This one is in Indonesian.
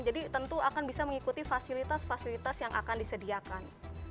jadi tentu akan bisa mengikuti fasilitas fasilitas yang akan disediakan